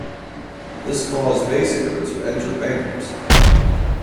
This caused Basinger to enter bankruptcy.